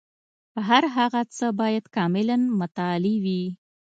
هر هغه څه باید کاملاً متعالي وي.